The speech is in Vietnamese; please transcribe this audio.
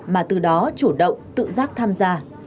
mà từ đó chủ động tự giác tham gia